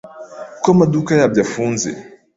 kuko amaduka yabyo afunze